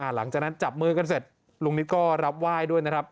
หลังจากนั้นจับมือกันเสร็จลุงนิดก็รับไหว้ด้วยนะครับ